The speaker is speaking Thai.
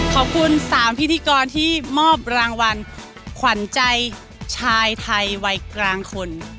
ขอบคุณ๓พิธีกรที่มอบรางวัลขวัญใจชายไทยวัยกลางคน